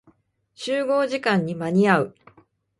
集合時間に間に合う。